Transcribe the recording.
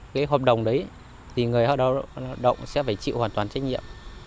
cái hợp đồng đấy thì người lao động sẽ phải chịu hoàn toàn trách nhiệm